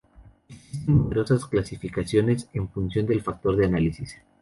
Existen numerosas clasificaciones, en función del factor de análisis.